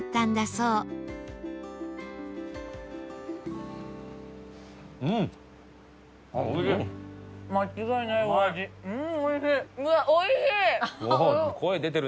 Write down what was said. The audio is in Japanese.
うんおいしい！